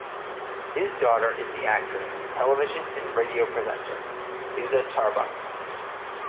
His daughter is the actress, television and radio presenter, Liza Tarbuck.